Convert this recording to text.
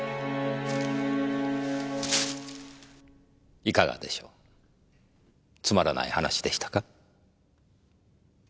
いかがでしょうつまらない話でしたか？